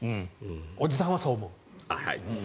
おじさんはそう思う。